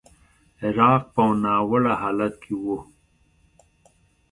عراق په ناوړه حالت کې و.